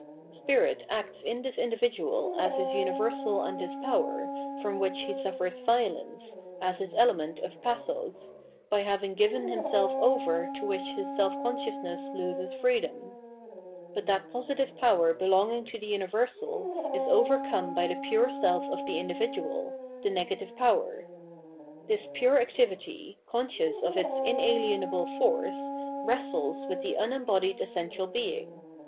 Spirit acts in this individual as his universal and his power, from which he suffers violence, as his element of "Pathos," * This paragraph may be regarded as an interpolated note. 716 Phenomenology of Mind by having given himself over to which his self consciousness loses freedom. But that positive power belonging to the xmiversal is overcome by the pure self of the individual, the negative power. This pure activity, conscious of its inahenable force, wrestles with the unembodied essential being.